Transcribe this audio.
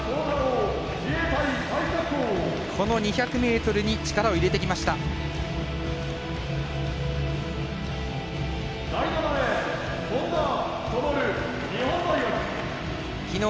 この２００ｍに力を入れてきました、高橋。